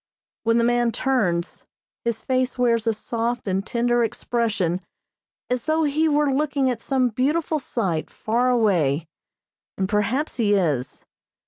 When the man turns, his face wears a soft and tender expression as though he were looking at some beautiful sight far away, and, perhaps, he is.